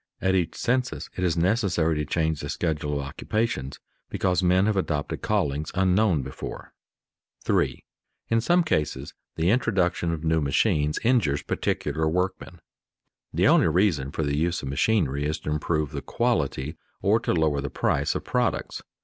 At each census it is necessary to change the schedule of occupations, because men have adopted callings unknown before. [Sidenote: Abnormal effect of the new machinery in England] 3. In some cases the introduction of new machines injures particular workmen. The only reason for the use of machinery is to improve the quality or to lower the price of products.